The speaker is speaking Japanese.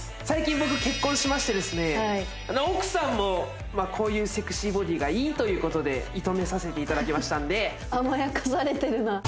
最近僕結婚しましてですね奥さんもこういうセクシーボディーがいいということで射止めさせていただきましたんで甘やかされてるな